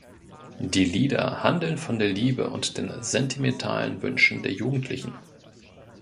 Die Lieder handeln von der Liebe und den sentimentalen Wünschen der Jugendlichen.